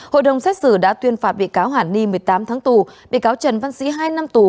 hội đồng xét xử đã tuyên phạt bị cáo hàn ni một mươi tám tháng tù bị cáo trần văn sĩ hai năm tù